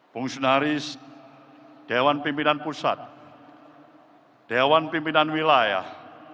fungsi naris dewan pimpinan pusat dewan pimpinan wilayah